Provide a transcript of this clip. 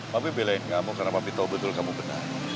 pak pi belai kamu karena pak pi tahu betul kamu benar